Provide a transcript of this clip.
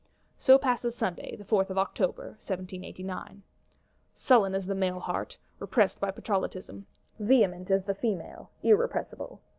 So passes Sunday, the 4th of October 1789. Sullen is the male heart, repressed by Patrollotism; vehement is the female, irrepressible.